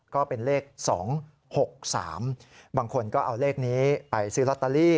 ก็เป็นเลข๒๖๓บางคนก็เอาเลขนี้ไปซื้อลอตเตอรี่